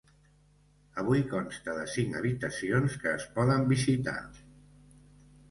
Avui consta de cinc habitacions que es poden visitar.